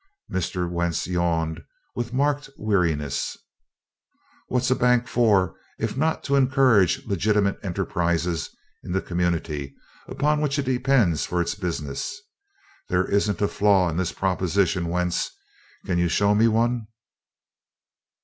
Mr. Wentz yawned with marked weariness. "What's a bank for if not to encourage legitimate enterprises in the community upon which it depends for its business? There isn't a flaw in this proposition, Wentz! Can you show me one?"